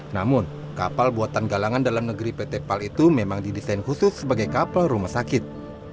namun kapal buatan galangan dalam negeri pt pal itu memang didesain khusus sebagai kapal rumah sakit